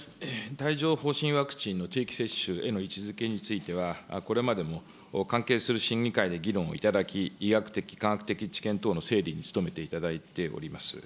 帯状ほう疹ワクチンの定期接種への位置づけについては、これまでも関係する審議会で議論をいただき、医学的、科学的知見等の整理に努めていただいております。